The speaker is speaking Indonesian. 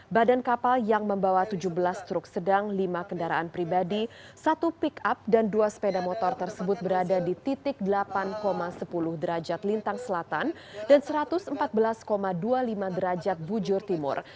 badan kapal yang membawa tujuh belas truk sedang lima kendaraan pribadi satu pick up dan dua sepeda motor tersebut berada di titik delapan sepuluh derajat lintang selatan dan satu ratus empat belas dua puluh lima derajat bujur timur